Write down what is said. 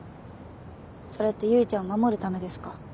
それって唯ちゃんを守るためですか？